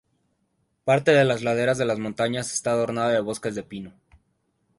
Parte de las laderas de las montañas está adornada de bosques de pino.